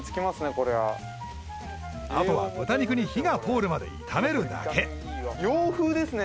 これはあとは豚肉に火が通るまで炒めるだけ・洋風ですね・